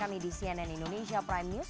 anda masih bersama kami di cnn indonesia prime news